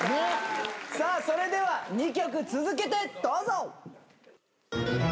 さあそれでは２曲続けてどうぞ！